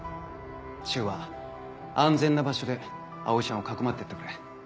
柊は安全な場所で葵ちゃんをかくまってやってくれ。